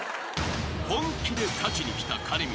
［本気で勝ちにきた兼光］